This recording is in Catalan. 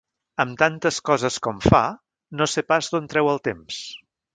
Amb tantes coses com fa, no sé pas d'on treu el temps.